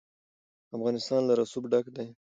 افغانستان له رسوب ډک دی.